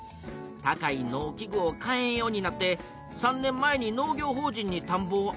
高い農機具を買えんようになって３年前に農業法人にたんぼをあずけたんやと。